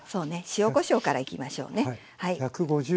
塩・こしょうからいきましょうね。